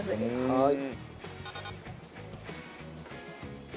はい。